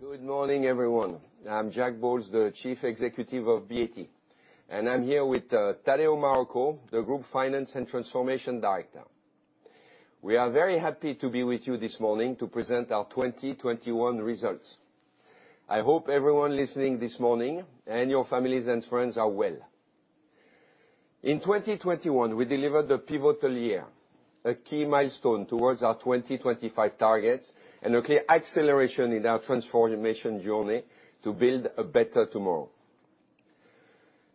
Good morning, everyone. I'm Jack Bowles, the Chief Executive of BAT, and I'm here with Tadeu Marroco, the Group Finance and Transformation Director. We are very happy to be with you this morning to present our 2021 results. I hope everyone listening this morning, and your families and friends are well. In 2021, we delivered the pivotal year, a key milestone towards our 2025 targets and a clear acceleration in our transformation journey to build a better tomorrow.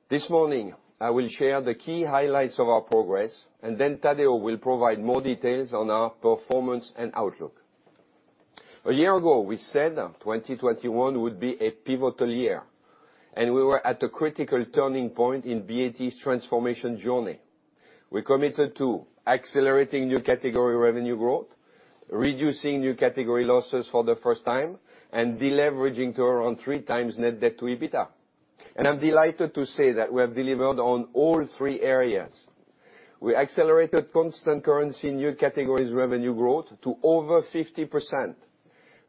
This morning, I will share the key highlights of our progress, and then Tadeu will provide more details on our performance and outlook. A year ago, we said 2021 would be a pivotal year, and we were at a critical turning point in BAT's transformation journey. We committed to accelerating new category revenue growth, reducing new category losses for the first time, and deleveraging to around 3x net debt to EBITDA. I'm delighted to say that we have delivered on all three areas. We accelerated constant currency new categories revenue growth to over 50%.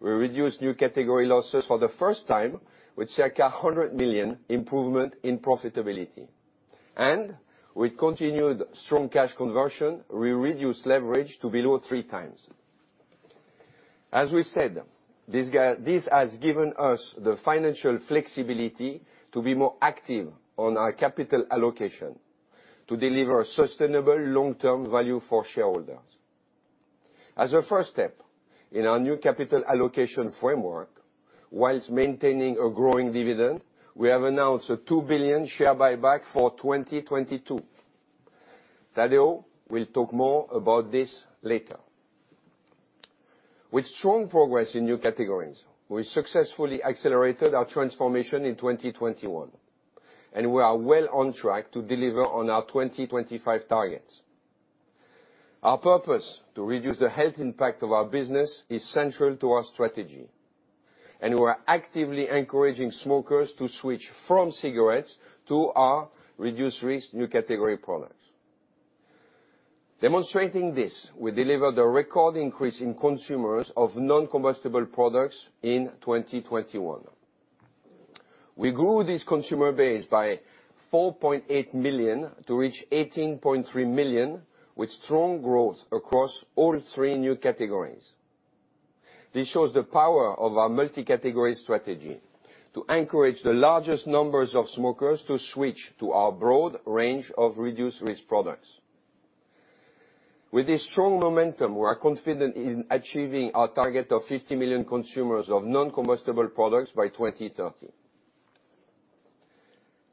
We reduced new category losses for the first time with circa 100 million improvement in profitability. With continued strong cash conversion, we reduced leverage to below 3x. As we said, this has given us the financial flexibility to be more active on our capital allocation to deliver sustainable long-term value for shareholders. As a first step in our new capital allocation framework, while maintaining a growing dividend, we have announced a 2 billion share buyback for 2022. Tadeu will talk more about this later. With strong progress in new categories, we successfully accelerated our transformation in 2021, and we are well on track to deliver on our 2025 targets. Our purpose to reduce the health impact of our business is central to our strategy, and we're actively encouraging smokers to switch from cigarettes to our reduced-risk new category products. Demonstrating this, we delivered a record increase in consumers of non-combustible products in 2021. We grew this consumer base by 4.8 million to reach 18.3 million, with strong growth across all three new categories. This shows the power of our multi-category strategy to encourage the largest numbers of smokers to switch to our broad range of reduced-risk products. With this strong momentum, we are confident in achieving our target of 50 million consumers of non-combustible products by 2030.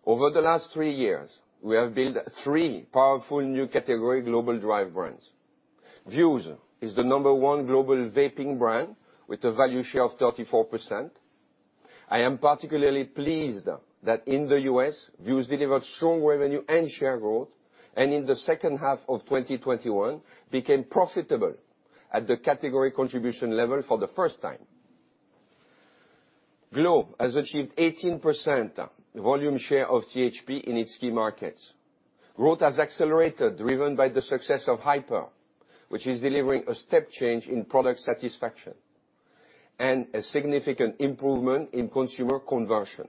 Over the last three years, we have built three powerful New Category global drive brands. Vuse is the number one global vaping brand with a value share of 34%. I am particularly pleased that in the U.S., Vuse delivered strong revenue and share growth, and in the second half of 2021, became profitable at the category contribution level for the first time. glo has achieved 18% volume share of THP in its key markets. Growth has accelerated, driven by the success of Hyper, which is delivering a step change in product satisfaction and a significant improvement in consumer conversion.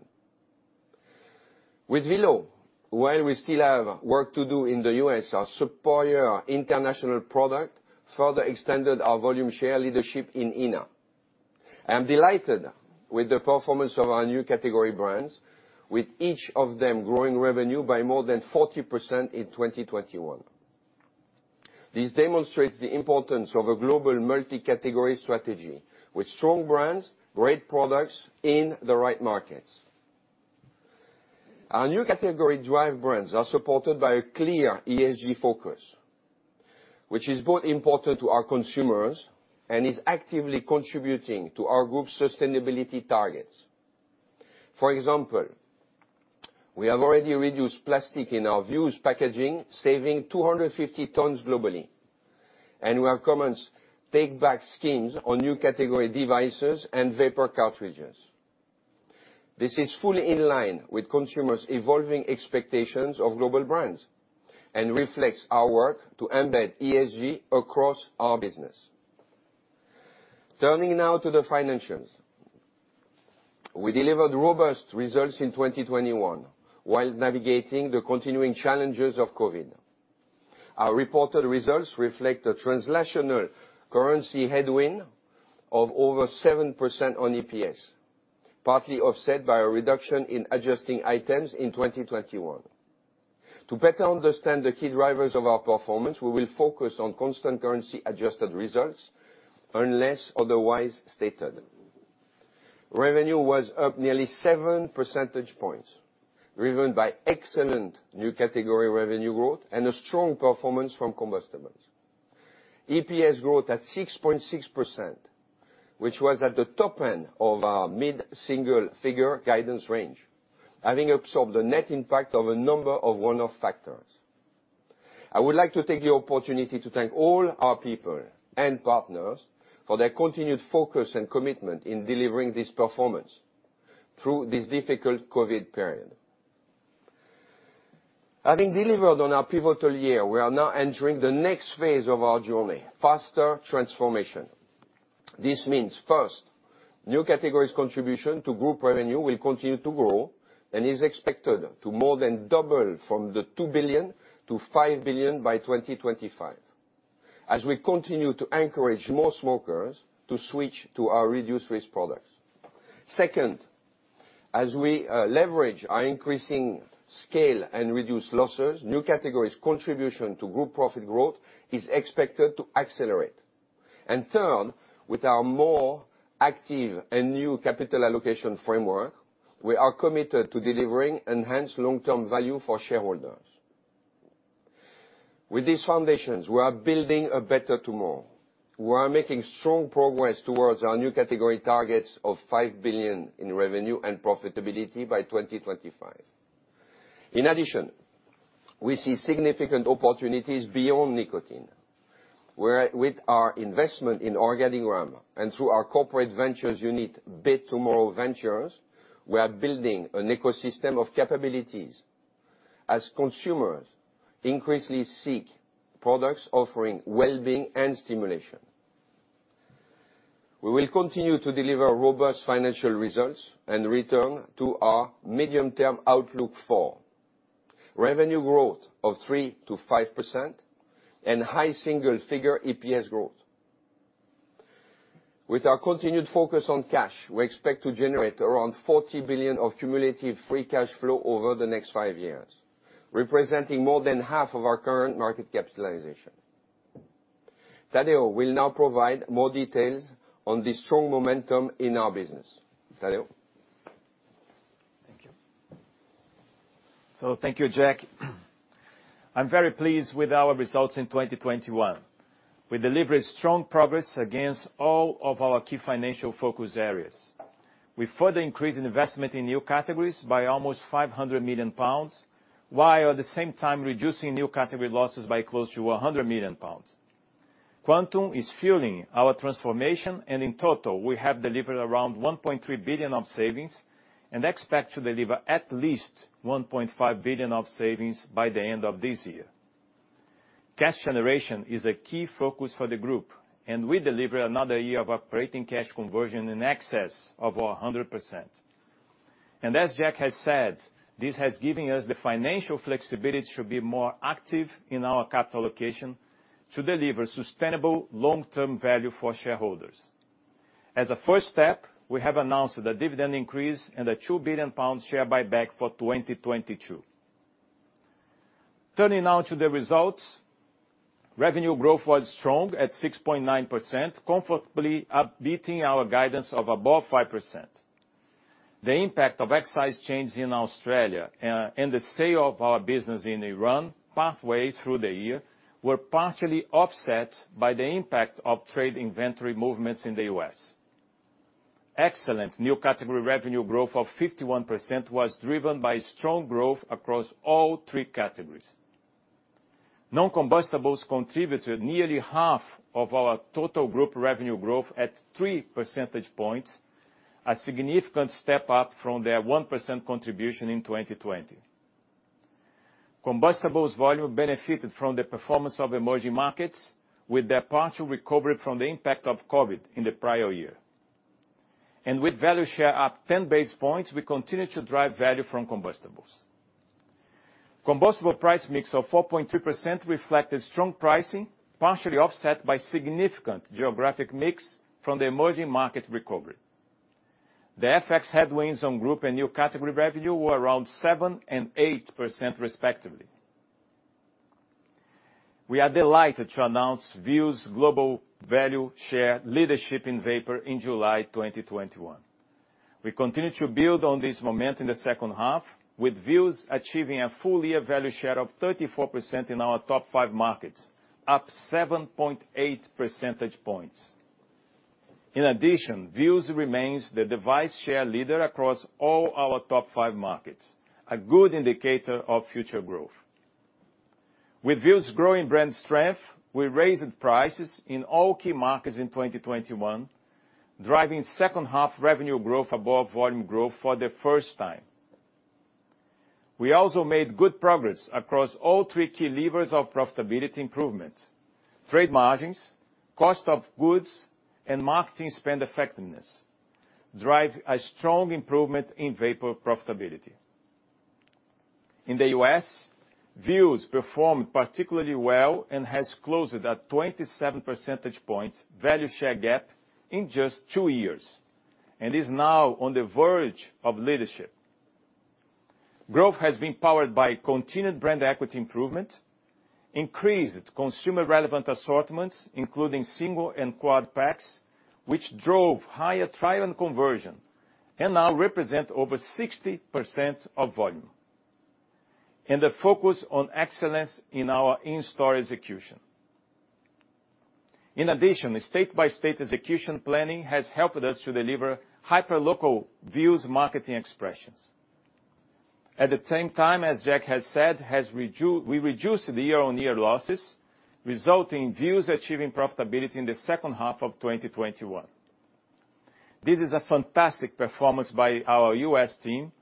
With Velo, while we still have work to do in the U.S., our superior international product further extended our volume share leadership in ENA. I am delighted with the performance of our New Category brands, with each of them growing revenue by more than 40% in 2021. This demonstrates the importance of a global multi-category strategy with strong brands, great products in the right markets. Our new category drive brands are supported by a clear ESG focus, which is both important to our consumers and is actively contributing to our group's sustainability targets. For example, we have already reduced plastic in our Vuse packaging, saving 250 tons globally, and we have commenced take-back schemes on new category devices and vapor cartridges. This is fully in line with consumers' evolving expectations of global brands and reflects our work to embed ESG across our business. Turning now to the financials. We delivered robust results in 2021 while navigating the continuing challenges of COVID. Our reported results reflect a translational currency headwind of over 7% on EPS, partly offset by a reduction in adjusting items in 2021. To better understand the key drivers of our performance, we will focus on constant currency adjusted results unless otherwise stated. Revenue was up nearly seven percentage points, driven by excellent new category revenue growth and a strong performance from combustibles. EPS growth at 6.6%, which was at the top end of our mid-single figure guidance range, having absorbed the net impact of a number of one-off factors. I would like to take the opportunity to thank all our people and partners for their continued focus and commitment in delivering this performance through this difficult COVID period. Having delivered on our pivotal year, we are now entering the next phase of our journey, faster transformation. This means, first, New Categories contribution to group revenue will continue to grow and is expected to more than double from 2 billion-5 billion by 2025, as we continue to encourage more smokers to switch to our reduced-risk products. Second, as we leverage our increasing scale and reduced losses, New Categories contribution to group profit growth is expected to accelerate. Third, with our more active and new capital allocation framework, we are committed to delivering enhanced long-term value for shareholders. With these foundations, we are building a better tomorrow. We are making strong progress towards our New Category targets of 5 billion in revenue and profitability by 2025. In addition, we see significant opportunities beyond nicotine. With our investment in Organigram and through our corporate ventures unit, Btomorrow Ventures, we are building an ecosystem of capabilities as consumers increasingly seek products offering well-being and stimulation. We will continue to deliver robust financial results and return to our medium-term outlook for revenue growth of 3%-5% and high single figure EPS growth. With our continued focus on cash, we expect to generate around 40 billion of cumulative free cash flow over the next five years, representing more than half of our current market capitalization. Tadeu will now provide more details on the strong momentum in our business. Tadeu? Thank you. Thank you, Jack. I'm very pleased with our results in 2021. We delivered strong progress against all of our key financial focus areas. We further increased investment in new categories by almost 500 million pounds, while at the same time reducing new category losses by close to 100 million pounds. Quantum is fueling our transformation, and in total, we have delivered around 1.3 billion of savings and expect to deliver at least 1.5 billion of savings by the end of this year. Cash generation is a key focus for the group, and we deliver another year of operating cash conversion in excess of 100%. As Jack has said, this has given us the financial flexibility to be more active in our capital allocation to deliver sustainable long-term value for shareholders. As a first step, we have announced the dividend increase and a 2 billion pounds share buyback for 2022. Turning now to the results. Revenue growth was strong at 6.9%, comfortably outbeating our guidance of above 5%. The impact of excise changes in Australia, and the sale of our business in Iran partway through the year were partially offset by the impact of trade inventory movements in the U.S. Excellent new category revenue growth of 51% was driven by strong growth across all three categories. Non-combustibles contributed nearly half of our total group revenue growth at three percentage points, a significant step up from their 1% contribution in 2020. Combustibles volume benefited from the performance of emerging markets, with their partial recovery from the impact of COVID in the prior year. With value share up 10 basis points, we continue to drive value from combustibles. Combustible price mix of 4.2% reflected strong pricing, partially offset by significant geographic mix from the emerging market recovery. The FX headwinds on group and new category revenue were around 7% and 8%, respectively. We are delighted to announce Vuse global value share leadership in vapor in July 2021. We continue to build on this momentum in the second half, with Vuse achieving a full year value share of 34% in our top five markets, up 7.8 percentage points. In addition, Vuse remains the device share leader across all our top five markets, a good indicator of future growth. With Vuse growing brand strength, we raised prices in all key markets in 2021, driving second half revenue growth above volume growth for the first time. We also made good progress across all three key levers of profitability improvements. Trade margins, cost of goods, and marketing spend effectiveness drive a strong improvement in vapor profitability. In the U.S., Vuse performed particularly well and has closed a 27 percentage points value share gap in just two years and is now on the verge of leadership. Growth has been powered by continued brand equity improvement, increased consumer relevant assortments, including single and quad packs, which drove higher trial and conversion and now represent over 60% of volume, and the focus on excellence in our in-store execution. In addition, the state-by-state execution planning has helped us to deliver hyperlocal Vuse marketing expressions. At the same time, as Jack has said, we reduced the year-on-year losses, resulting in Vuse achieving profitability in the second half of 2021. This is a fantastic performance by our U.S. team,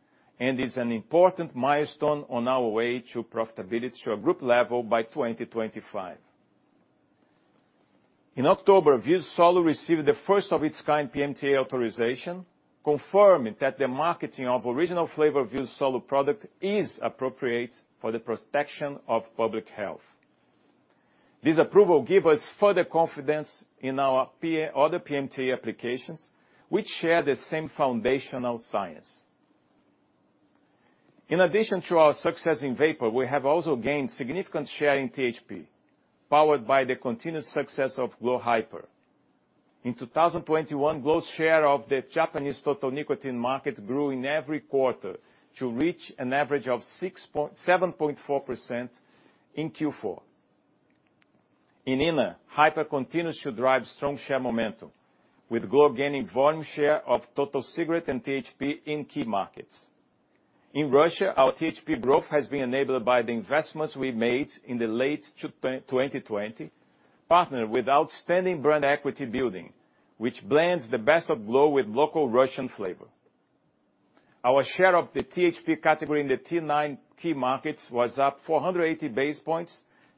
and is an important milestone on our way to profitability to our group level by 2025. In October, Vuse Solo received the first of its kind PMTA authorization, confirming that the marketing of original flavor Vuse Solo product is appropriate for the protection of public health. This approval give us further confidence in our other PMTA applications, which share the same foundational science. In addition to our success in vapor, we have also gained significant share in THP, powered by the continued success of glo Hyper. In 2021, glo's share of the Japanese total nicotine market grew in every quarter to reach an average of 7.4% in Q4. In ENA, Hyper continues to drive strong share momentum, with glo gaining volume share of total cigarette and THP in key markets. In Russia, our THP growth has been enabled by the investments we made in the late 2020, partnered with outstanding brand equity building, which blends the best of glo with local Russian flavor. Our share of the THP category in the T9 key markets was up 480 basis points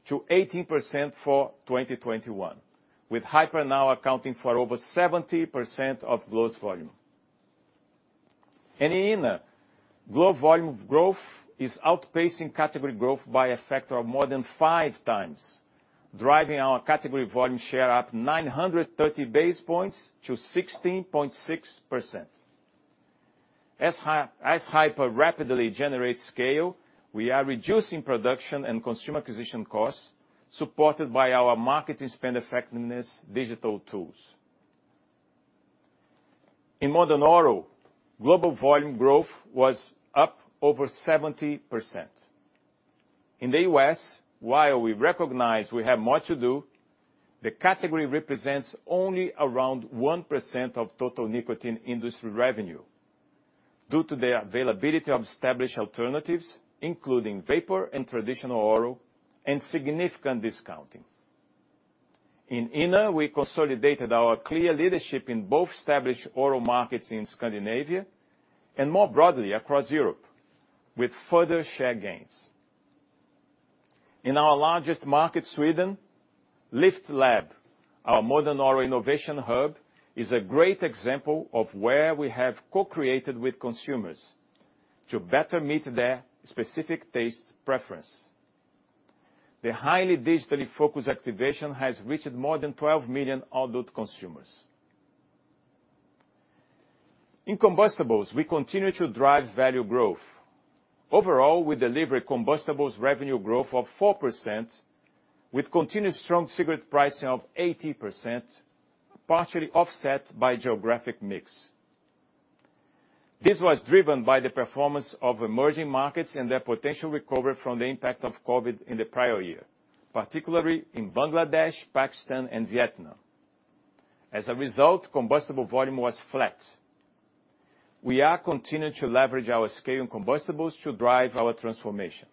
to 18% for 2021, with Hyper now accounting for over 70% of glo's volume. In ENA, glo volume growth is outpacing category growth by a factor of more than five times, driving our category volume share up 930 basis points to 16.6%. As glo Hyper rapidly generates scale, we are reducing production and consumer acquisition costs, supported by our marketing spend effectiveness digital tools. In Modern Oral, global volume growth was up over 70%. In the U.S., while we recognize we have more to do, the category represents only around 1% of total nicotine industry revenue due to the availability of established alternatives, including vapor and traditional oral and significant discounting. In ENA, we consolidated our clear leadership in both established oral markets in Scandinavia and more broadly across Europe with further share gains. In our largest market, Sweden, Lyft Lab, our Modern Oral innovation hub, is a great example of where we have co-created with consumers to better meet their specific taste preference. The highly digitally focused activation has reached more than 12 million adult consumers. In combustibles, we continue to drive value growth. Overall, we deliver combustibles revenue growth of 4% with continued strong cigarette pricing of 18%, partially offset by geographic mix. This was driven by the performance of emerging markets and their potential recovery from the impact of COVID in the prior year, particularly in Bangladesh, Pakistan, and Vietnam. As a result, combustible volume was flat. We are continuing to leverage our scale in combustibles to drive our transformation.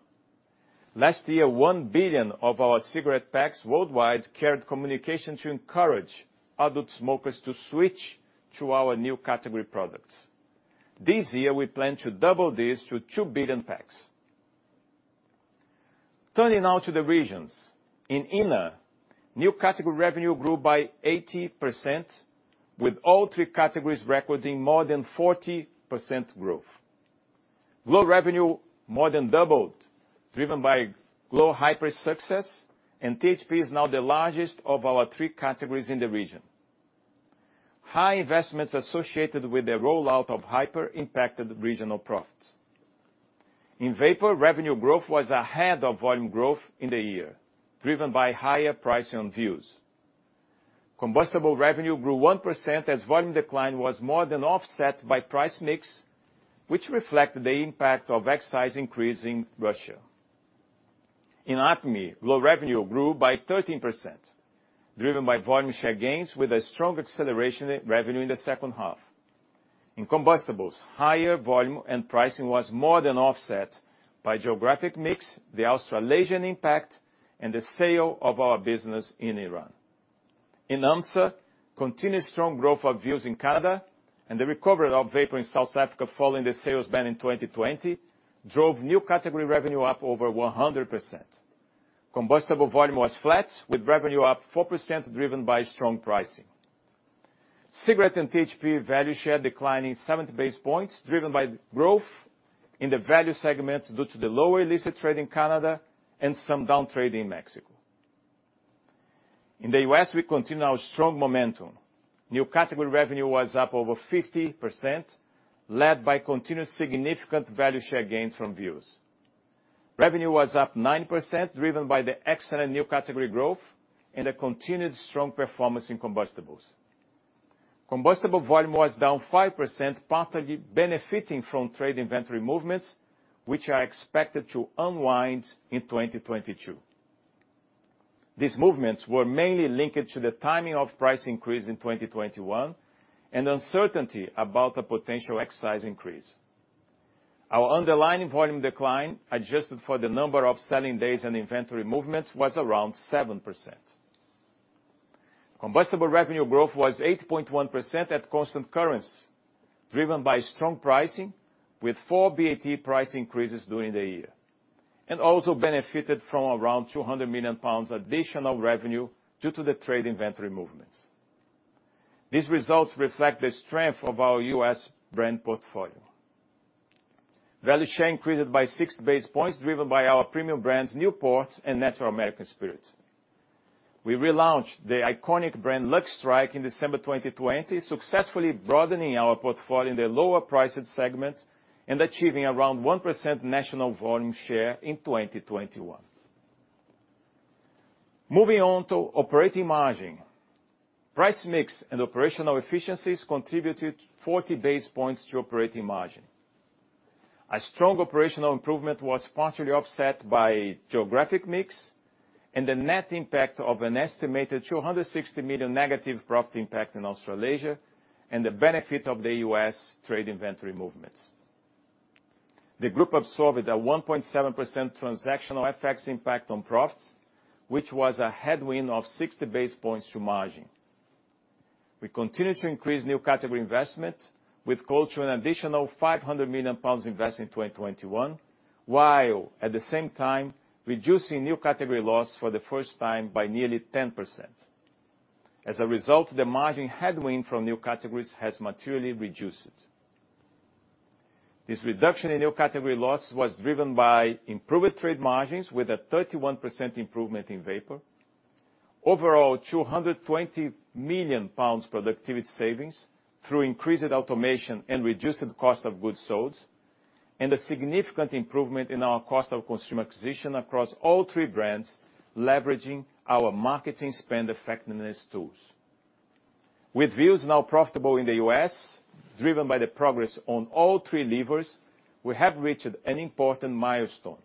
Last year, 1 billion of our cigarette packs worldwide carried communication to encourage adult smokers to switch to our New Category products. This year, we plan to double this to 2 billion packs. Turning now to the regions. In ENA, new category revenue grew by 80%, with all three categories recording more than 40% growth. glo revenue more than doubled, driven by glo Hyper success, and THP is now the largest of our three categories in the region. High investments associated with the rollout of Hyper impacted regional profits. In vapor, revenue growth was ahead of volume growth in the year, driven by higher pricing on Vuse. Combustible revenue grew 1% as volume decline was more than offset by price mix, which reflected the impact of excise increase in Russia. In APME, glo revenue grew by 13%, driven by volume share gains with a strong acceleration in revenue in the second half. In combustibles, higher volume and pricing was more than offset by geographic mix, the Australasian impact, and the sale of our business in Iran. In AMSA, continued strong growth of Vuse in Canada and the recovery of vapor in South Africa following the sales ban in 2020 drove new category revenue up over 100%. Combustible volume was flat, with revenue up 4% driven by strong pricing. Cigarette and THP value share declining 70 basis points, driven by growth in the value segments due to the lower illicit trade in Canada and some down trade in Mexico. In the U.S., we continue our strong momentum. New category revenue was up over 50%, led by continued significant value share gains from Vuse. Revenue was up 9%, driven by the excellent new category growth and a continued strong performance in combustibles. Combustible volume was down 5%, partly benefiting from trade inventory movements, which are expected to unwind in 2022. These movements were mainly linked to the timing of price increase in 2021 and uncertainty about a potential excise increase. Our underlying volume decline, adjusted for the number of selling days and inventory movement, was around 7%. Combustible revenue growth was 8.1% at constant currency, driven by strong pricing with four BAT price increases during the year, and also benefited from around 200 million pounds additional revenue due to the trade inventory movements. These results reflect the strength of our U.S. brand portfolio. Value share increased by six basis points, driven by our premium brands, Newport and Natural American Spirit. We relaunched the iconic brand Lucky Strike in December 2020, successfully broadening our portfolio in the lower priced segment and achieving around 1% national volume share in 2021. Moving on to operating margin. Price mix and operational efficiencies contributed 40 basis points to operating margin. A strong operational improvement was partially offset by geographic mix and the net impact of an estimated 260 million negative profit impact in Australasia and the benefit of the U.S. trade inventory movements. The group absorbed a 1.7% transactional FX impact on profits, which was a headwind of 60 basis points to margin. We continue to increase new category investment with an additional 500 million pounds invested in 2021, while at the same time, reducing new category loss for the first time by nearly 10%. As a result, the margin headwind from new categories has materially reduced. This reduction in new category loss was driven by improved trade margins with a 31% improvement in vapor. Overall, 220 million pounds productivity savings through increased automation and reduced cost of goods sold, and a significant improvement in our cost of consumer acquisition across all three brands, leveraging our marketing spend effectiveness tools. With Vuse now profitable in the U.S., driven by the progress on all three levers, we have reached an important milestone.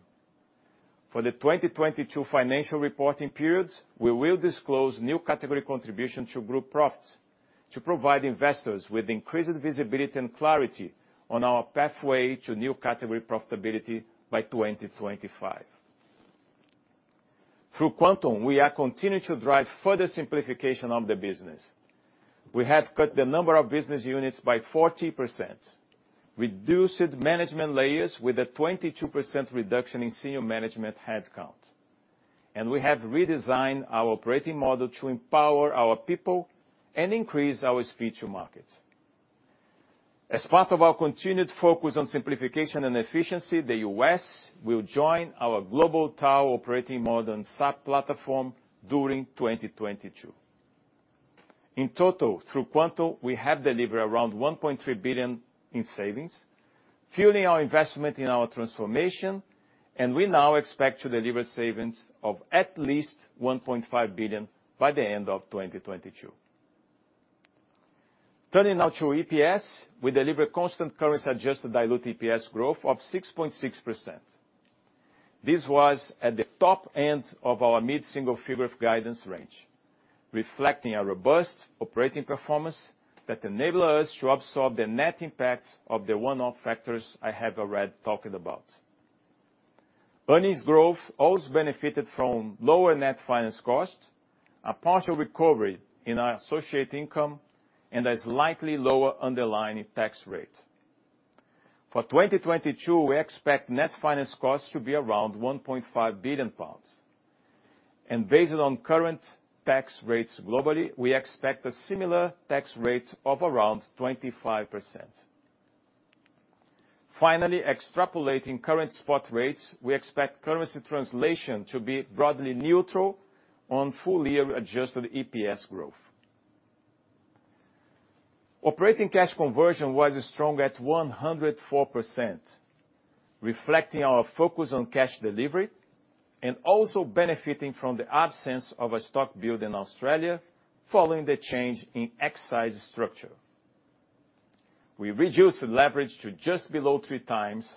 For the 2022 financial reporting periods, we will disclose new category contribution to group profits to provide investors with increased visibility and clarity on our pathway to new category profitability by 2025. Through Quantum, we are continuing to drive further simplification of the business. We have cut the number of business units by 40%, reduced management layers with a 22% reduction in senior management headcount, and we have redesigned our operating model to empower our people and increase our speed to market. As part of our continued focus on simplification and efficiency, the U.S. will join our global tower operating model and SAP platform during 2022. In total, through Quantum, we have delivered around 1.3 billion in savings, fueling our investment in our transformation, and we now expect to deliver savings of at least 1.5 billion by the end of 2022. Turning now to EPS. We delivered constant currency adjusted dilute EPS growth of 6.6%. This was at the top end of our mid-single figure of guidance range, reflecting a robust operating performance that enabled us to absorb the net impact of the one-off factors I have already talked about. Earnings growth also benefited from lower net finance cost, a partial recovery in our associate income, and a slightly lower underlying tax rate. For 2022, we expect net finance costs to be around 1.5 billion pounds. Based on current tax rates globally, we expect a similar tax rate of around 25%. Finally, extrapolating current spot rates, we expect currency translation to be broadly neutral on full year adjusted EPS growth. Operating cash conversion was strong at 104%, reflecting our focus on cash delivery and also benefiting from the absence of a stock build in Australia following the change in excise structure. We reduced the leverage to just below three times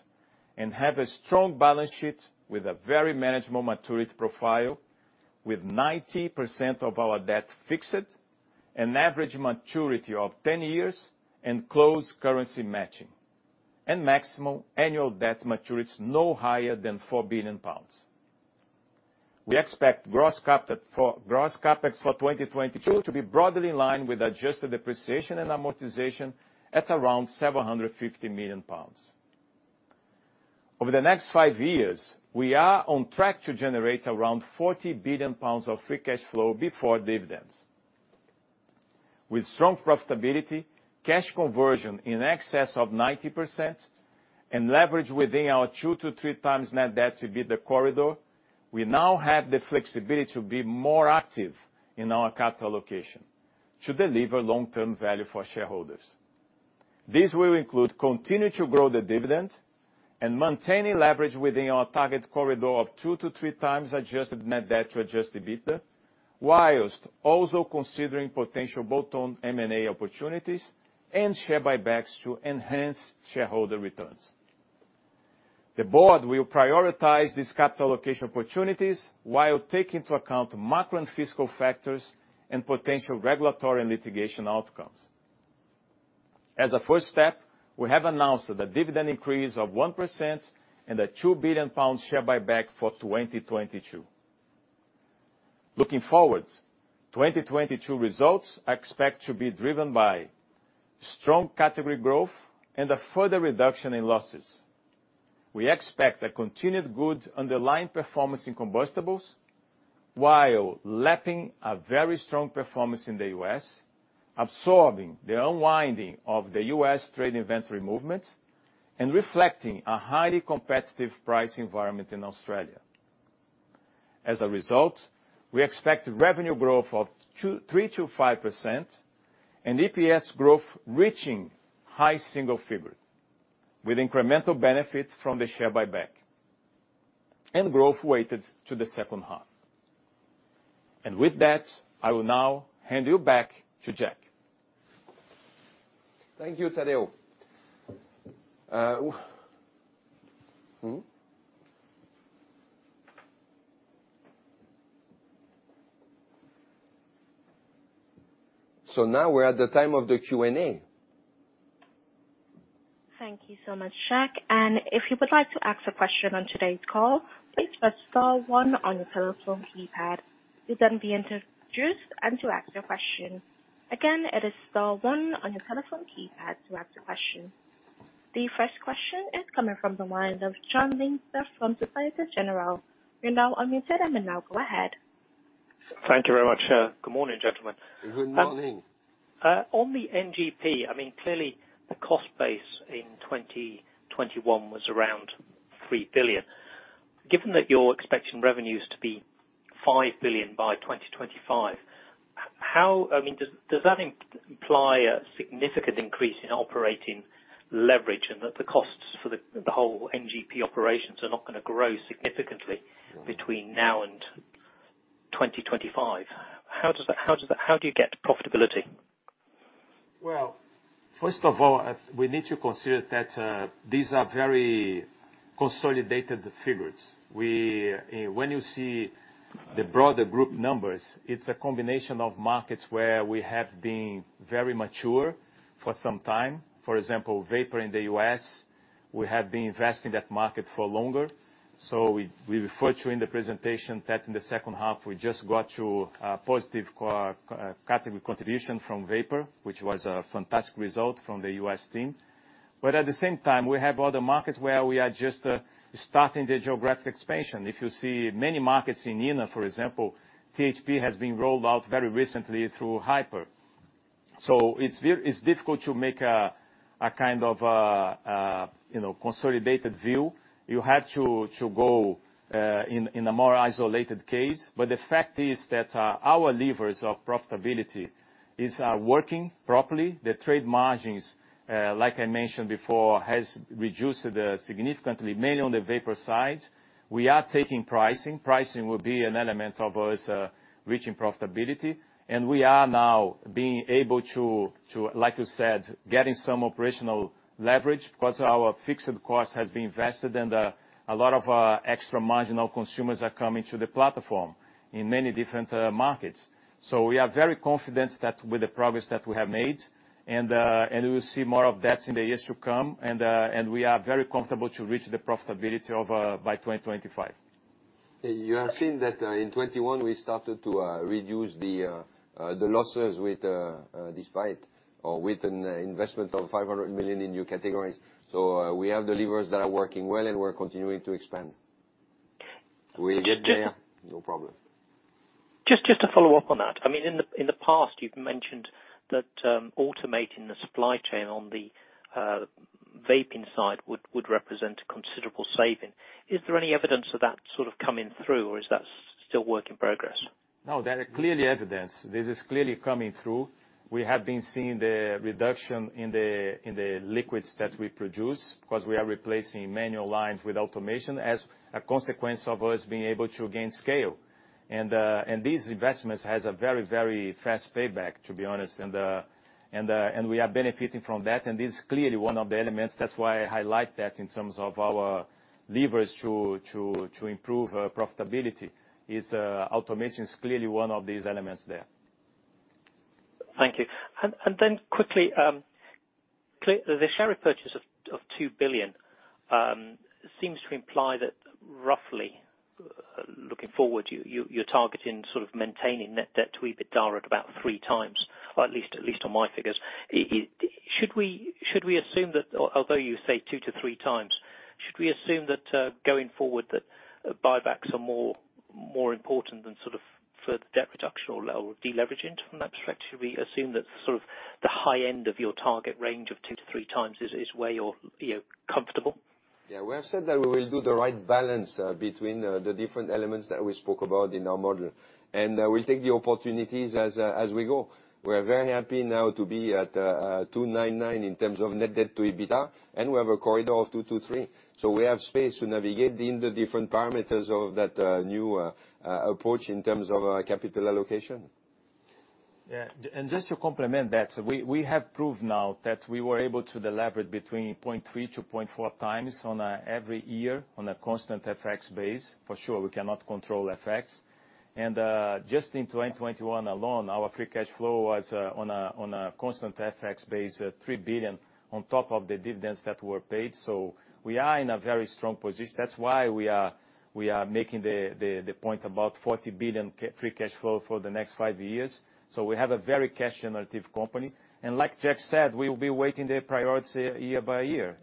and have a strong balance sheet with a very manageable maturity profile, with 90% of our debt fixed, an average maturity of 10 years, and close currency matching, and maximum annual debt maturities no higher than 4 billion pounds. We expect gross CapEx for 2022 to be broadly in line with adjusted depreciation and amortization at around 750 million pounds. Over the next five years, we are on track to generate around 40 billion pounds of free cash flow before dividends. With strong profitability, cash conversion in excess of 90% and leverage within our 2x-3x net debt to EBITDA corridor, we now have the flexibility to be more active in our capital allocation to deliver long-term value for shareholders. This will include continuing to grow the dividend and maintaining leverage within our target corridor of 2x-3x adjusted net debt to adjusted EBITDA, while also considering potential bolt-on M&A opportunities and share buybacks to enhance shareholder returns. The board will prioritize these capital allocation opportunities while taking into account macro and fiscal factors and potential regulatory and litigation outcomes. As a first step, we have announced the dividend increase of 1% and a 2 billion pound share buyback for 2022. Looking forward, 2022 results are expected to be driven by strong category growth and a further reduction in losses. We expect a continued good underlying performance in combustibles while lapping a very strong performance in the U.S., absorbing the unwinding of the U.S. trade inventory movements, and reflecting a highly competitive price environment in Australia. As a result, we expect revenue growth of 3%-5% and EPS growth reaching high single figures. With incremental benefits from the share buyback and growth weighted to the second half. With that, I will now hand you back to Jack. Thank you, Tadeu. Now we're at the time of the Q&A. Thank you so much, Jack. If you would like to ask a question on today's call, please press star one on your telephone keypad. You'll then be introduced and to ask your question. Again, it is star one on your telephone keypad to ask a question. The first question is coming from the line of Jonathan Leinster from Société Générale. You're now unmuted, and now go ahead. Thank you very much, good morning, gentlemen. Good morning. On the NGP, I mean, clearly the cost base in 2021 was around 3 billion. Given that you're expecting revenues to be 5 billion by 2025, how, I mean, does that imply a significant increase in operating leverage and that the costs for the whole NGP operations are not gonna grow significantly between now and 2025? How do you get profitability? Well, first of all, we need to consider that these are very consolidated figures. When you see the broader group numbers, it's a combination of markets where we have been very mature for some time. For example, vapor in the U.S., we have been investing that market for longer. We referred to in the presentation that in the second half, we just got to a positive category contribution from vapor, which was a fantastic result from the U.S. team. At the same time, we have other markets where we are just starting the geographic expansion. If you see many markets in ENA, for example, THP has been rolled out very recently through Hyper. It's difficult to make a kind of, you know, consolidated view. You have to go in a more isolated case. The fact is that our levers of profitability is working properly. The trade margins, like I mentioned before, has reduced significantly, mainly on the vapor side. We are taking pricing. Pricing will be an element of us reaching profitability. We are now being able to, like you said, getting some operational leverage because our fixed cost has been invested and a lot of incremental consumers are coming to the platform in many different markets. We are very confident that with the progress that we have made, and we will see more of that in the years to come, and we are very comfortable to reach the profitability of by 2025. You have seen that, in 2021 we started to reduce the losses despite an investment of 500 million in new categories. We have the levers that are working well and we're continuing to expand. Ja-Jack? Yeah. No problem. Just to follow up on that. I mean, in the past you've mentioned that automating the supply chain on the vaping side would represent a considerable saving. Is there any evidence of that sort of coming through, or is that still work in progress? No, there is clear evidence. This is clearly coming through. We have been seeing the reduction in the liquids that we produce because we are replacing manual lines with automation as a consequence of us being able to gain scale. And these investments has a very, very fast payback, to be honest. And we are benefiting from that, and this is clearly one of the elements. That's why I highlight that in terms of our levers to improve profitability. Automation is clearly one of these elements there. Thank you. Quickly, the share repurchase of 2 billion seems to imply that roughly, looking forward, you're targeting sort of maintaining net debt to EBITDA at about 3x, or at least on my figures. Should we assume that although you say 2x-3x, going forward that buybacks are more important than sort of further debt reduction or de-leveraging from that perspective? Should we assume that sort of the high end of your target range of 2x-3x is where you're, you know, comfortable? Yeah. We have said that we will do the right balance between the different elements that we spoke about in our model. We'll take the opportunities as we go. We're very happy now to be at 2.99x in terms of net debt to EBITDA, and we have a corridor of 2x-3x. We have space to navigate in the different parameters of that new approach in terms of capital allocation. Yeah. Just to complement that, we have proved now that we were able to deliver between 0.3x-0.4x every year on a constant FX basis. For sure, we cannot control FX. Just in 2021 alone, our free cash flow was on a constant FX basis £3 billion on top of the dividends that were paid. We are in a very strong position. That's why we are making the point about £40 billion free cash flow for the next five years. We have a very cash-generative company. Like Jack said, we will be weighing the priorities year by year.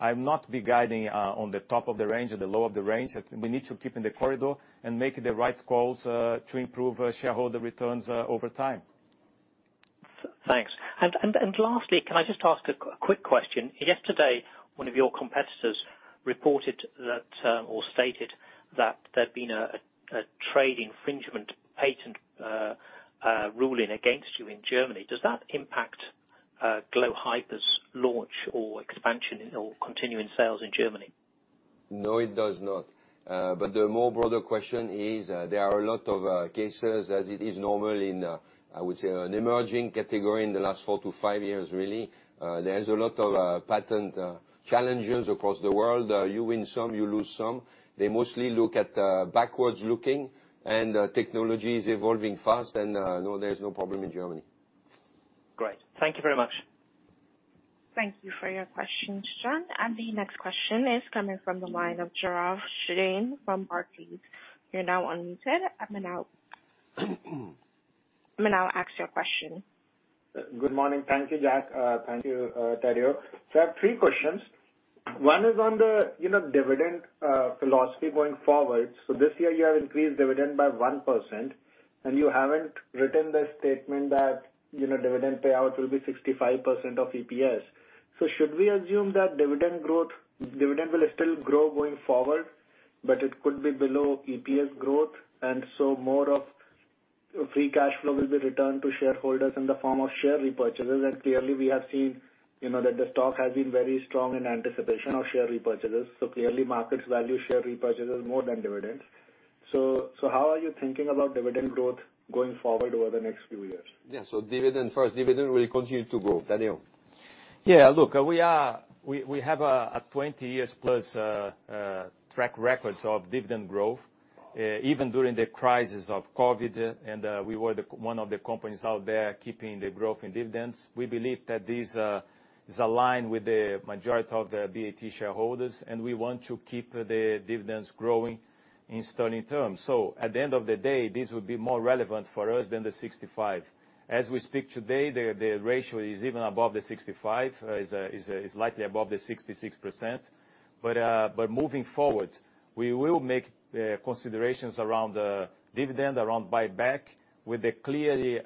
I'll not be guiding on the top of the range or the low of the range. We need to keep in the corridor and make the right calls to improve shareholder returns over time. Thanks. Lastly, can I just ask a quick question? Yesterday, one of your competitors reported that or stated that there'd been a trademark infringement patent ruling against you in Germany. Does that impact glo hyper's launch or expansion or continuing sales in Germany? No, it does not. The more broader question is, there are a lot of cases, as it is normal in, I would say, an emerging category in the last 4-5 years really. There's a lot of patent challenges across the world. You win some, you lose some. They mostly look at backward-looking, and technology is evolving fast and no, there's no problem in Germany. Great. Thank you very much. Thank you for your question, John. The next question is coming from the line of Gaurav Jain from Barclays. You're now unmuted. Now ask your question. Good morning. Thank you, Jack. Thank you, Tadeu. I have three questions. One is on the, you know, dividend philosophy going forward. This year, you have increased dividend by 1%, and you haven't written the statement that, you know, dividend payout will be 65% of EPS. Should we assume that dividend will still grow going forward, but it could be below EPS growth, and more of free cash flow will be returned to shareholders in the form of share repurchases? Clearly, we have seen, you know, that the stock has been very strong in anticipation of share repurchases. Clearly, markets value share repurchases more than dividends. How are you thinking about dividend growth going forward over the next few years? Yeah. Dividend, first, dividend will continue to grow. Tadeu? Look, we have a 20-year-plus track record of dividend growth, even during the crisis of COVID, and we were one of the companies out there keeping the growth in dividends. We believe that this is aligned with the majority of the BAT shareholders, and we want to keep the dividends growing in sterling terms. At the end of the day, this would be more relevant for us than the 65%. As we speak today, the ratio is even above the 65%, is slightly above the 66%. Moving forward, we will make considerations around dividend, around buyback, with a clear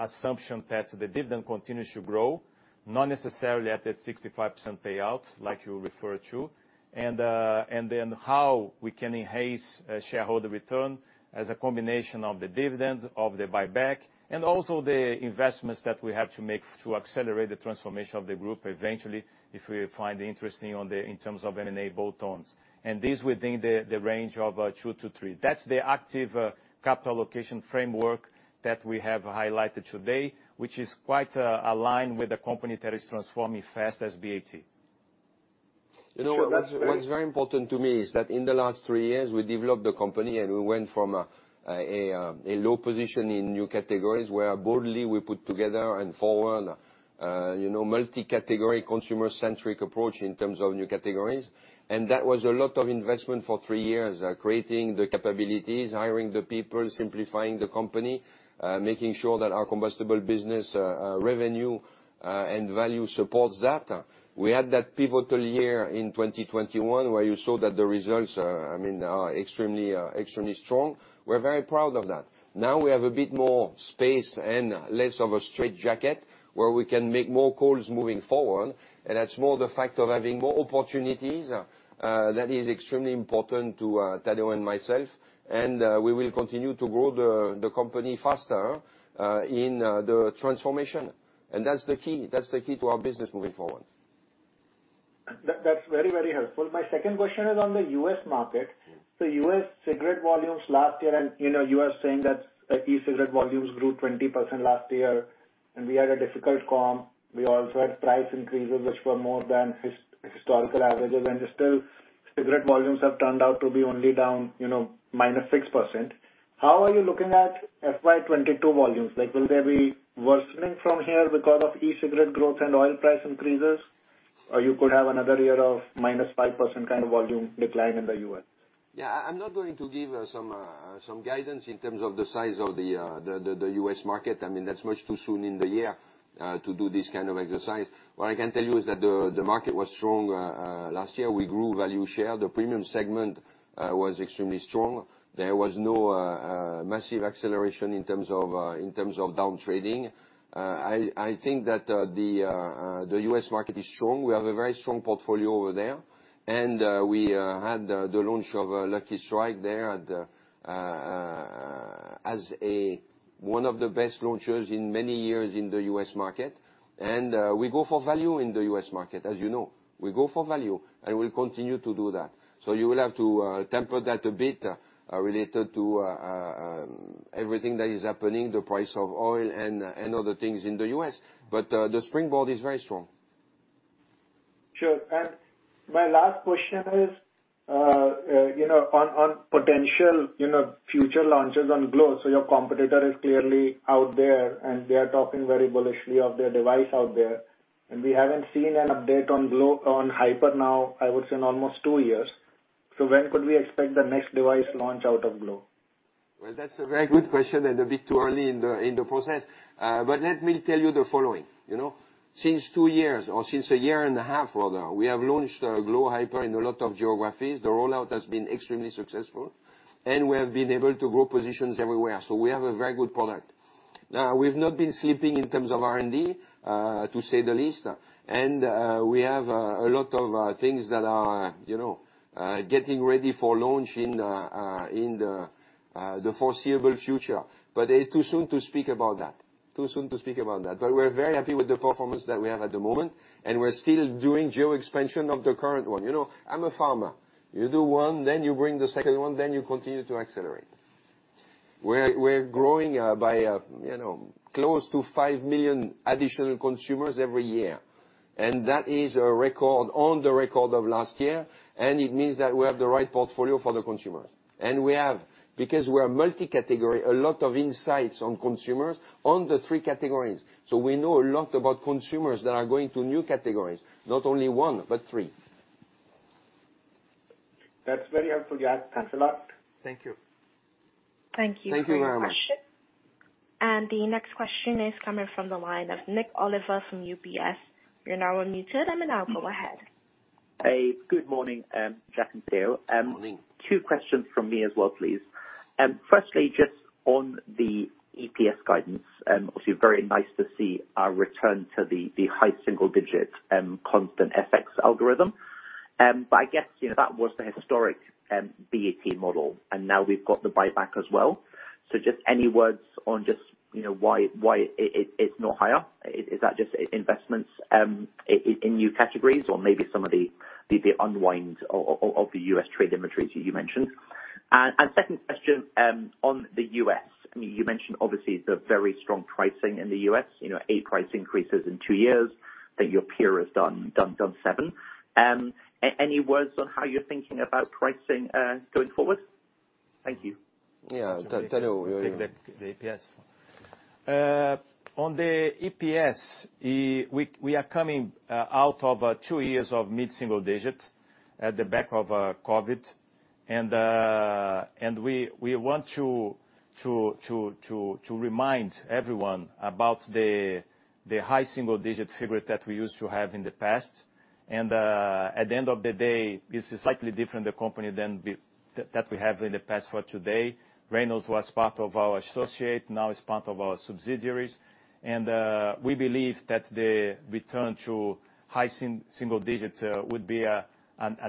assumption that the dividend continues to grow, not necessarily at that 65% payout like you referred to. How we can enhance shareholder return as a combination of the dividend, of the buyback, and also the investments that we have to make to accelerate the transformation of the group eventually, if we find interesting in terms of M&A bolt-on within the range of 2x-3x. That's the active capital allocation framework that we have highlighted today, which is quite aligned with a company that is transforming fast as BAT. You know, what's very important to me is that in the last three years, we developed the company and we went from a low position in new categories, where boldly we put together and forward, you know, multi-category consumer-centric approach in terms of new categories. That was a lot of investment for three years, creating the capabilities, hiring the people, simplifying the company, making sure that our combustible business, revenue, and value supports that. We had that pivotal year in 2021, where you saw that the results, I mean, are extremely strong. We're very proud of that. Now we have a bit more space and less of a straitjacket where we can make more calls moving forward. That's more the fact of having more opportunities that is extremely important to Tadeu and myself. We will continue to grow the company faster in the transformation. That's the key. That's the key to our business moving forward. That's very, very helpful. My second question is on the U.S. market. The U.S. cigarette volumes last year and, you know, you are saying that the e-cigarette volumes grew 20% last year, and we had a difficult comp. We also had price increases, which were more than historical averages, and still cigarette volumes have turned out to be only down, you know, -6%. How are you looking at FY 2022 volumes? Like, will there be worsening from here because of e-cigarette growth and overall price increases? Or you could have another year of -5% kind of volume decline in the U.S.? Yeah. I'm not going to give some guidance in terms of the size of the U.S. market. I mean, that's much too soon in the year to do this kind of exercise. What I can tell you is that the market was strong last year. We grew value share. The premium segment was extremely strong. There was no massive acceleration in terms of down trading. I think that the U.S. market is strong. We have a very strong portfolio over there. We had the launch of Lucky Strike there, as one of the best launches in many years in the U.S. market. We go for value in the U.S. market, as you know. We go for value, and we'll continue to do that. You will have to temper that a bit related to everything that is happening, the price of oil and other things in the U.S. The springboard is very strong. Sure. My last question is, you know, on potential, you know, future launches on glo. Your competitor is clearly out there, and they are talking very bullishly of their device out there. We haven't seen an update on glo on Hyper now, I would say, in almost two years. When could we expect the next device launch out of glo? Well, that's a very good question and a bit too early in the process. Let me tell you the following, you know. Since two years, or since a year and a half rather, we have launched glo Hyper in a lot of geographies. The rollout has been extremely successful, and we have been able to grow positions everywhere. We have a very good product. Now we've not been sleeping in terms of R&D, to say the least. We have a lot of things that are, you know, getting ready for launch in the foreseeable future. It's too soon to speak about that. We're very happy with the performance that we have at the moment, and we're still doing geo expansion of the current one. You know, I'm a farmer. You do one, then you bring the second one, then you continue to accelerate. We're growing by, you know, close to 5 million additional consumers every year. That is a record on the record of last year, and it means that we have the right portfolio for the consumers. We have, because we're multi-category, a lot of insights on consumers on the three categories. We know a lot about consumers that are going to new categories, not only one, but three. That's very helpful, guys. Thanks a lot. Thank you. Thank you. Thank you very much. The next question is coming from the line of Nik Oliver from UBS. Hey, good morning, Jack and Tadeu. Morning. Two questions from me as well, please. Firstly, just on the EPS guidance, obviously very nice to see a return to the high single digit constant FX algorithm. I guess, you know, that was the historic BAT model, and now we've got the buyback as well. Just any words on just, you know, why it's not higher? Is that just investments in new categories or maybe some of the unwind of the U.S. trade inventories you mentioned? Second question on the U.S. I mean, you mentioned obviously the very strong pricing in the U.S., you know, eight price increases in two years, that your peer has done seven. Any words on how you're thinking about pricing going forward? Thank you. Yeah, Tadeu. I'll take that. The EPS one. On the EPS, we are coming out of two years of mid-single-digit on the back of COVID. We want to remind everyone about the high single-digit figure that we used to have in the past. At the end of the day, this is a slightly different company than the one that we have in the past. Today, Reynolds was part of our associate, now is part of our subsidiaries. We believe that the return to high single digits would be a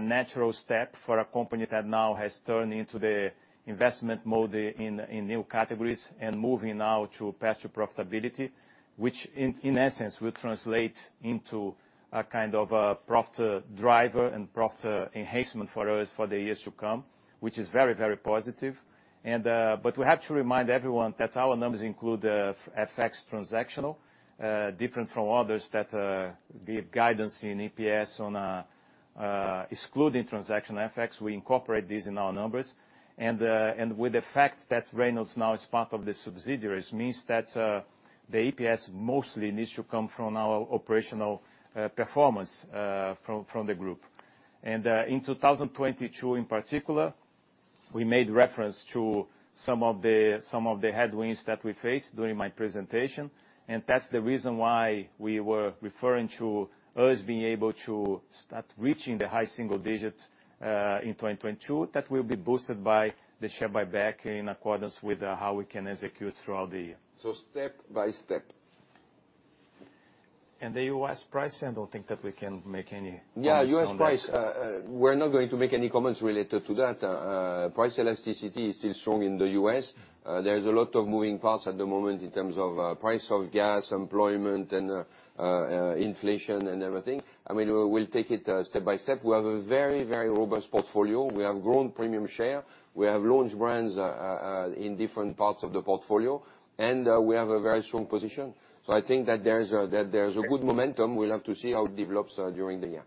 natural step for a company that now has turned into the investment mode in new categories and moving now to path to profitability, which in essence will translate into a kind of profit driver and profit enhancement for us for the years to come, which is very, very positive. But we have to remind everyone that our numbers include FX transactional different from others that give guidance in EPS on excluding transactional FX. We incorporate these in our numbers. And with the fact that Reynolds now is part of the subsidiaries, means that the EPS mostly needs to come from our operational performance from the group. In 2022 in particular, we made reference to some of the headwinds that we faced during my presentation. That's the reason why we were referring to us being able to start reaching the high single digits% in 2022. That will be boosted by the share buyback in accordance with how we can execute throughout the year. Step by step. The U.S. pricing, I don't think that we can make any comments on that. Yeah, U.S. price, we're not going to make any comments related to that. Price elasticity is still strong in the U.S. There is a lot of moving parts at the moment in terms of price of gas, employment, and inflation and everything. I mean, we'll take it step by step. We have a very robust portfolio. We have grown premium share. We have launched brands in different parts of the portfolio, and we have a very strong position. I think there is a good momentum. We'll have to see how it develops during the year.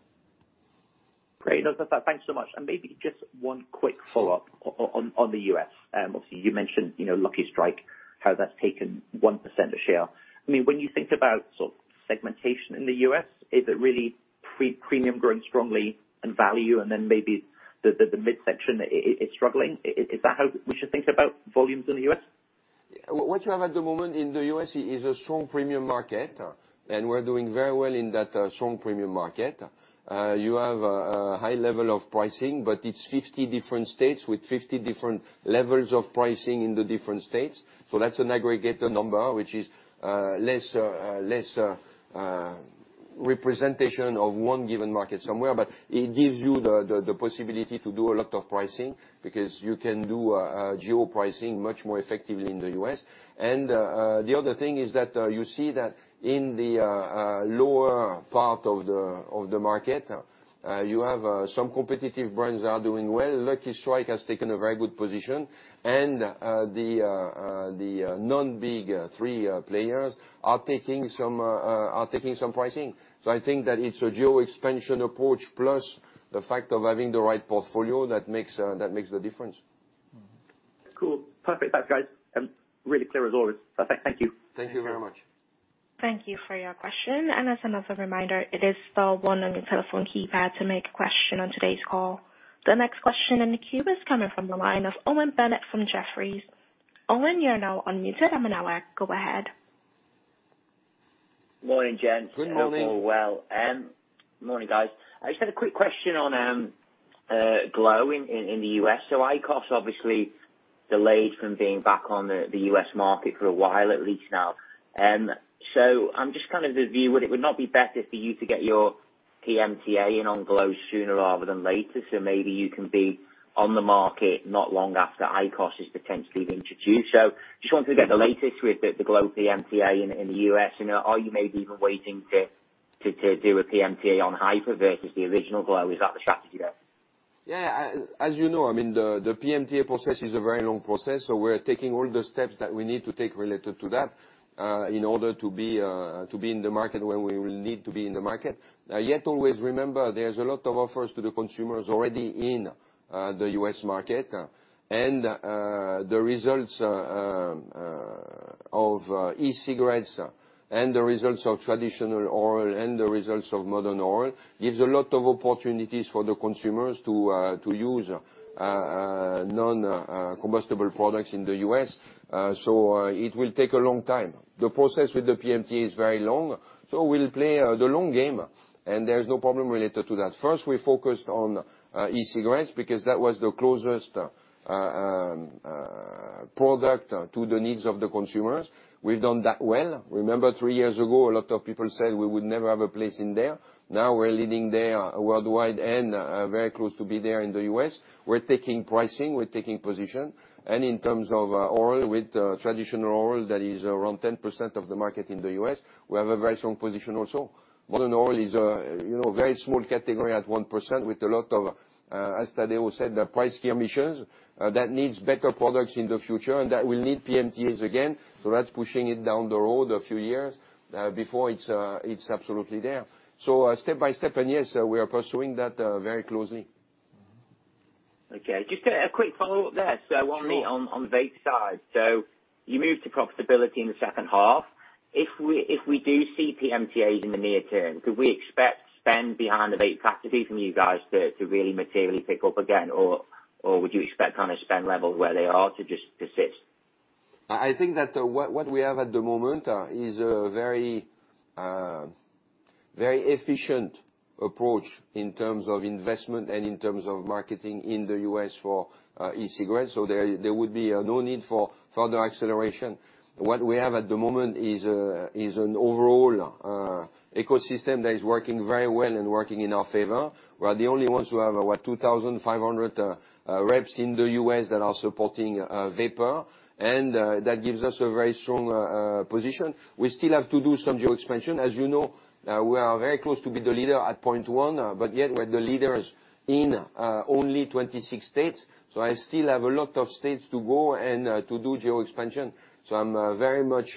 Great. No, thanks so much. Maybe just one quick follow-up on the U.S. Obviously you mentioned, you know, Lucky Strike, how that's taken 1% of share. I mean, when you think about sort of segmentation in the U.S., is it really premium growing strongly in value and then maybe the midsection is struggling? Is that how we should think about volumes in the U.S.? What you have at the moment in the U.S. is a strong premium market, and we're doing very well in that strong premium market. You have a high level of pricing, but it's 50 different states with 50 different levels of pricing in the different states. That's an aggregator number, which is less representative of one given market somewhere, but it gives you the possibility to do a lot of pricing because you can do geo pricing much more effectively in the U.S. The other thing is that you see that in the lower part of the market, you have some competitive brands that are doing well. Lucky Strike has taken a very good position, and the non-big three players are taking some pricing. I think that it's a geo expansion approach plus the fact of having the right portfolio that makes the difference. Cool. Perfect. Thanks, guys. Really clear as always. Perfect. Thank you. Thank you very much. Thank you for your question. As another reminder, it is star one on your telephone keypad to ask a question on today's call. The next question in the queue is coming from the line of Owen Bennett from Jefferies. Owen, you are now unmuted. Go ahead. Morning, gents. Good morning. Hope all well. Morning, guys. I just had a quick question on glo in the U.S. IQOS obviously delayed from being back on the U.S. market for a while, at least now. I'm just of the view, would it not be better for you to get your PMTA in on glo sooner rather than later, so maybe you can be on the market not long after IQOS is potentially introduced? Just wanted to get the latest with the glo PMTA in the U.S., you know. Are you maybe even waiting to do a PMTA on HEETS versus the original glo? Is that the strategy there? As you know, I mean, the PMTA process is a very long process, so we're taking all the steps that we need to take related to that in order to be in the market when we will need to be in the market. Yet always remember there's a lot of offers to the consumers already in the U.S. market. The results of e-cigarettes and the results of traditional oral and the results of Modern Oral gives a lot of opportunities for the consumers to use non-combustible products in the U.S. It will take a long time. The process with the PMTA is very long, so we'll play the long game, and there is no problem related to that. First, we focused on e-cigarettes because that was the closest product to the needs of the consumers. We've done that well. Remember three years ago, a lot of people said we would never have a place in there. Now, we're leading there worldwide and very close to be there in the U.S. We're taking pricing, we're taking position. In terms of oral, with traditional oral, that is around 10% of the market in the U.S., we have a very strong position also. Modern Oral is a, you know, very small category at 1% with a lot of, as Tadeu said, the price promotions that needs better products in the future, and that will need PMTAs again. That's pushing it down the road a few years before it's absolutely there. Step by step, and yes, we are pursuing that very closely. Okay. Just a quick follow-up there. Sure. On the vape side. You moved to profitability in the second half. If we do see PMTAs in the near term, could we expect spend behind the vape category from you guys to really materially pick up again, or would you expect kind of spend levels where they are to just persist? I think that what we have at the moment is a very efficient approach in terms of investment and in terms of marketing in the U.S. for e-cigarettes. There would be no need for further acceleration. What we have at the moment is an overall ecosystem that is working very well and working in our favor. We are the only ones who have 2,500 reps in the U.S. that are supporting vapor. That gives us a very strong position. We still have to do some geo expansion. As you know, we are very close to be the leader at point one, but yet we're the leaders in only 26 states. I still have a lot of states to go and to do geo expansion. I'm very much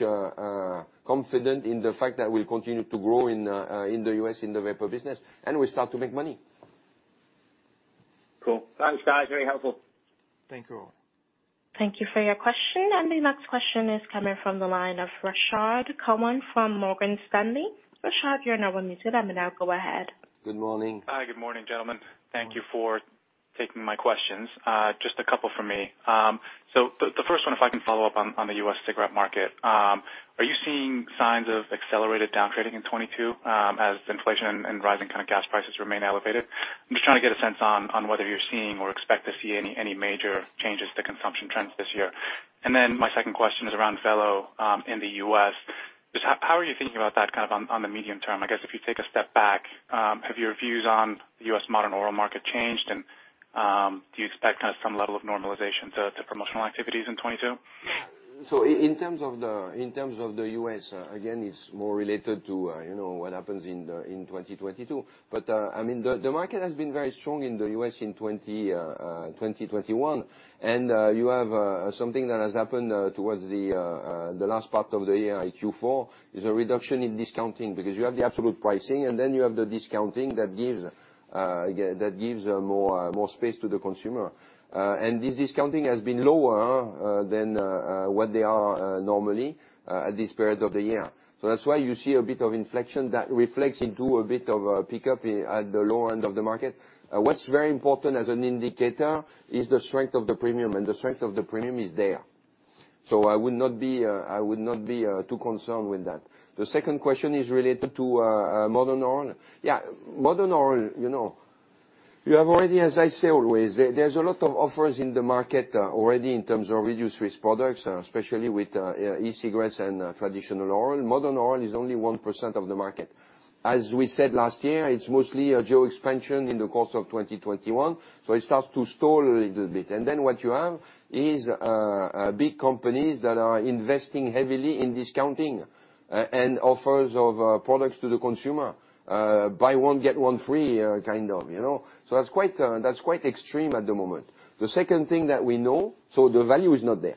confident in the fact that we'll continue to grow in the U.S. in the vapor business, and we start to make money. Cool. Thanks, guys. Very helpful. Thank you all. Thank you for your question. The next question is coming from the line of Rashad Kawan from Morgan Stanley. Rashad, you're now unmuted. I mean, now go ahead. Good morning. Hi. Good morning, gentlemen. Thank you for taking my questions. Just a couple from me. The first one, if I can follow up on the U.S. cigarette market. Are you seeing signs of accelerated downgrading in 2022, as inflation and rising kind of gas prices remain elevated? I'm just trying to get a sense on whether you're seeing or expect to see any major changes to consumption trends this year. My second question is around Velo in the U.S. Just how are you thinking about that kind of on the medium term? I guess if you take a step back, have your views on the U.S. Modern Oral market changed? Do you expect kind of some level of normalization to promotional activities in 2022? In terms of the U.S., again, it's more related to, you know, what happens in 2022. I mean, the market has been very strong in the U.S. in 2021. You have something that has happened towards the last part of the year, Q4, is a reduction in discounting because you have the absolute pricing, and then you have the discounting that gives more space to the consumer. This discounting has been lower than what they are normally at this period of the year. That's why you see a bit of inflection that reflects into a bit of a pickup at the low end of the market. What's very important as an indicator is the strength of the premium, and the strength of the premium is there. I would not be too concerned with that. The second question is related to Modern Oral. Yeah. Modern Oral, you know, you have already, as I say always, there's a lot of offers in the market already in terms of reduced risk products, especially with e-cigarettes and traditional oral. Modern Oral is only 1% of the market. As we said last year, it's mostly a geo expansion in the course of 2021, so it starts to stall a little bit. What you have is big companies that are investing heavily in discounting and offers of products to the consumer, buy one, get one free, kind of, you know? That's quite extreme at the moment. The second thing that we know is that the value is not there.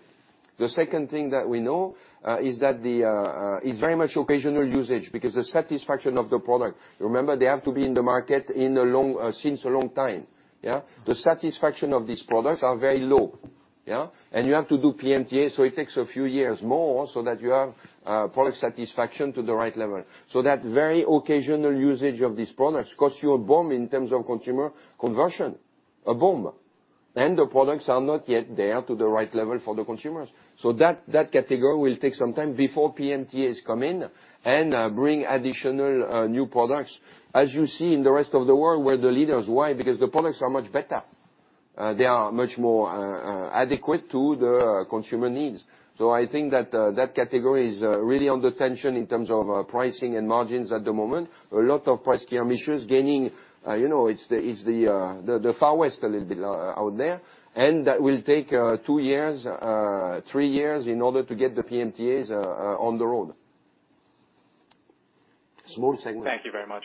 It's very much occasional usage because of the satisfaction of the product. Remember, they have been in the market for a long time, yeah? The satisfaction of these products are very low, yeah? You have to do PMTA, so it takes a few years more so that you have product satisfaction to the right level. That very occasional usage of these products costs you a bomb in terms of consumer conversion. A bomb. The products are not yet there to the right level for the consumers. That category will take some time before PMTAs come in and bring additional new products. As you see in the rest of the world, we're the leaders. Why? Because the products are much better. They are much more adequate to the consumer needs. I think that category is really under tension in terms of pricing and margins at the moment. A lot of price promotions gaining. You know, it's the Wild West a little bit out there. That will take two years, three years in order to get the PMTAs on the road. Small segment. Thank you very much.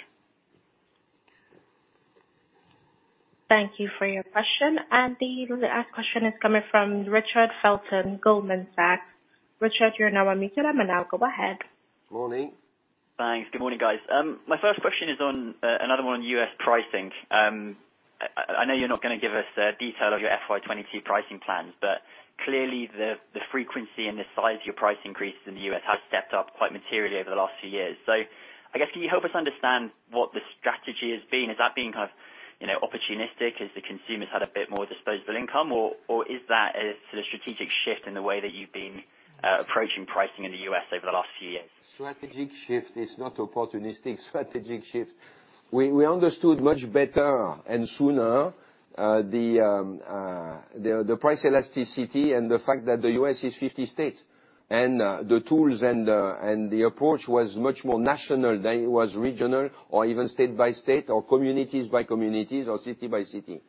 Thank you for your question. The last question is coming from Richard Felton, Goldman Sachs. Richard, you're now unmuted. I'm gonna go ahead. Morning. Thanks. Good morning, guys. My first question is on another one on U.S. pricing. I know you're not gonna give us the detail of your FY 2022 pricing plans, but clearly the frequency and the size of your price increase in the U.S. has stepped up quite materially over the last few years. I guess can you help us understand what the strategy has been? Has that been kind of opportunistic as the consumers had a bit more disposable income or is that a sort of strategic shift in the way that you've been approaching pricing in the U.S. over the last few years? Strategic shift is not opportunistic. We understood much better and sooner the price elasticity and the fact that the U.S. is 50 states. The tools and the approach was much more national than it was regional or even state by state or community by community or city by city.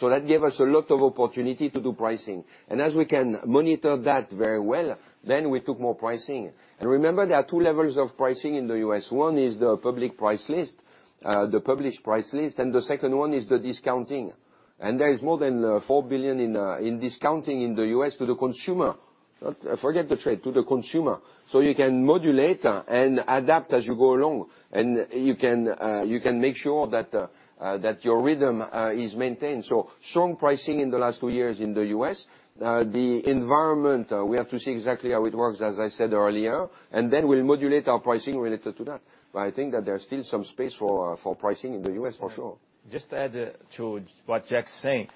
That gave us a lot of opportunity to do pricing. As we can monitor that very well, we took more pricing. Remember there are two levels of pricing in the U.S. One is the public price list, the published price list, and the second one is the discounting. There is more than $4 billion in discounting in the U.S. to the consumer. Forget the trade, to the consumer. You can modulate and adapt as you go along, and you can make sure that your rhythm is maintained. Strong pricing in the last two years in the U.S. The environment, we have to see exactly how it works, as I said earlier, and then we'll modulate our pricing related to that. But I think that there's still some space for pricing in the U.S. for sure. Just to add to what Jack is saying,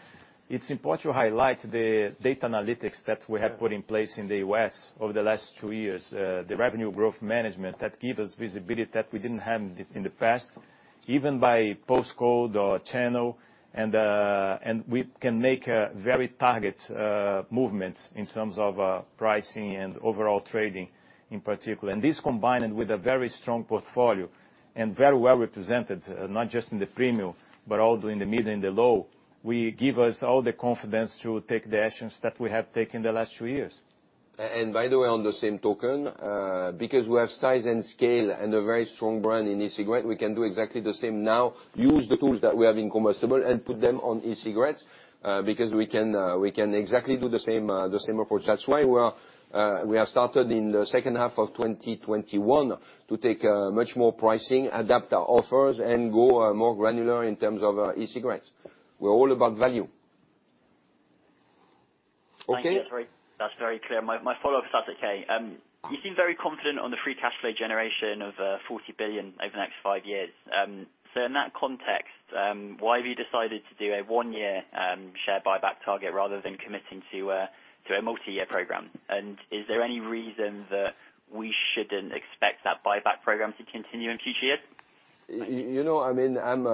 it's important to highlight the data analytics that we have put in place in the U.S. over the last two years. The revenue growth management that give us visibility that we didn't have in the past, even by postcode or channel. We can make very targeted movements in terms of pricing and overall trading in particular. This combined with a very strong portfolio and very well represented, not just in the premium, but also in the mid and the low, will give us all the confidence to take the actions that we have taken the last two years. By the way, by the same token, because we have size and scale and a very strong brand in e-cigarette, we can do exactly the same now. Use the tools that we have in combustible and put them on e-cigarettes, because we can exactly do the same, the same approach. That's why we have started in the second half of 2021 to take much more pricing, adapt our offers, and go more granular in terms of e-cigarettes. We're all about value. Okay? Thank you. That's very clear. You seem very confident on the free cash flow generation of 40 billion over the next five years. In that context, why have you decided to do a one-year share buyback target rather than committing to a multi-year program? And is there any reason that we shouldn't expect that buyback program to continue in future years? You know, I mean, I'm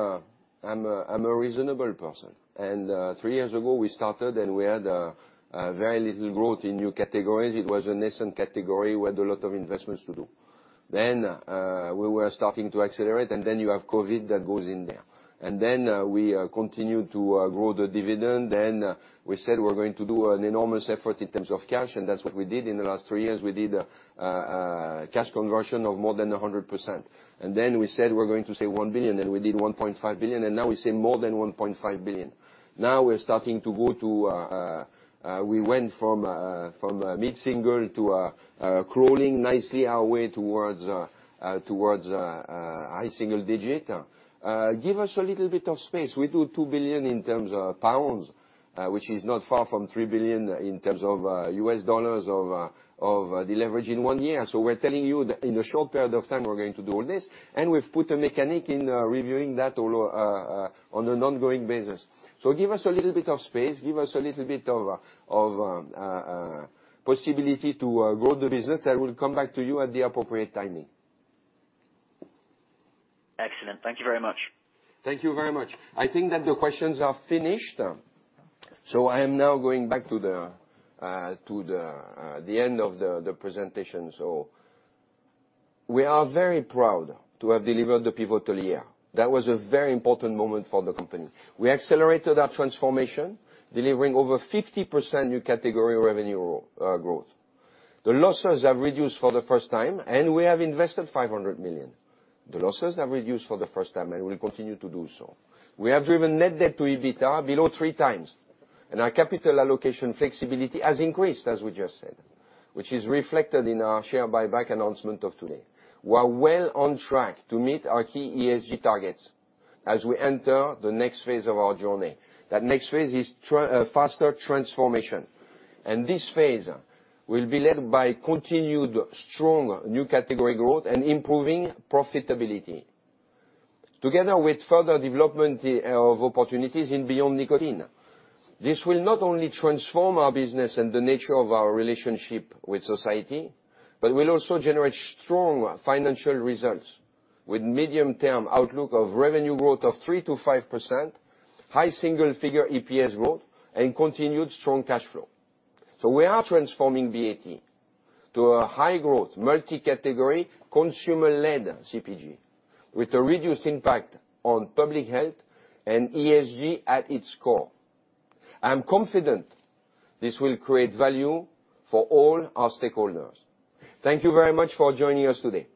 a reasonable person. Three years ago we started, and we had very little growth in new categories. It was a nascent category. We had a lot of investments to do. We were starting to accelerate, and then you have COVID that goes in there. We continued to grow the dividend. We said we're going to do an enormous effort in terms of cash, and that's what we did in the last three years. We did a cash conversion of more than 100%. We said we're going to save £1 billion, and we did £1.5 billion. Now we say more than 1.5 billion. Now we're starting to go to. We went from mid-single-digit to crawling nicely our way towards high single-digit. Give us a little bit of space. We do 2 billion in terms of pounds, which is not far from $3 billion in terms of U.S. dollars of the leverage in one year. We're telling you that in a short period of time we're going to do all this. We've put a mechanism in reviewing that all on an ongoing basis. Give us a little bit of space. Give us a little bit of possibility to grow the business. I will come back to you at the appropriate timing. Excellent. Thank you very much. Thank you very much. I think that the questions are finished, so I am now going back to the end of the presentation. We are very proud to have delivered the pivotal year. That was a very important moment for the company. We accelerated our transformation, delivering over 50% new category revenue growth. The losses have reduced for the first time, and we have invested 500 million, and will continue to do so. We have driven net debt to EBITDA below 3x, and our capital allocation flexibility has increased, as we just said, which is reflected in our share buyback announcement of today. We are well on track to meet our key ESG targets as we enter the next phase of our journey. That next phase is faster transformation, and this phase will be led by continued strong new category growth and improving profitability together with further development of opportunities in beyond nicotine. This will not only transform our business and the nature of our relationship with society, but will also generate strong financial results with medium-term outlook of revenue growth of 3%-5%, high single figure EPS growth, and continued strong cash flow. We are transforming BAT to a high-growth, multi-category, consumer-led CPG with a reduced impact on public health and ESG at its core. I am confident this will create value for all our stakeholders. Thank you very much for joining us today.